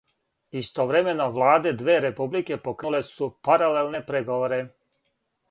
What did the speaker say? Истовремено, владе две републике покренуле су паралелне преговоре.